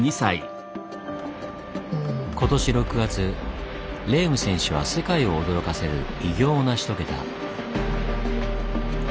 今年６月レーム選手は世界を驚かせる偉業を成し遂げた。